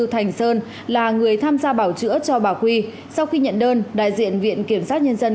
thành sơn là người tham gia bảo chữa cho bà quy sau khi nhận đơn đại diện viện kiểm sát nhân dân